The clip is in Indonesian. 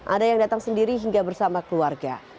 ada yang datang sendiri hingga bersama keluarga